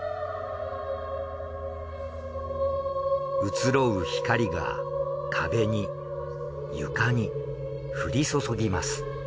移ろう光が壁に床に降り注ぎます。